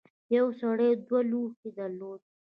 یو سړي دوه لوښي درلودل.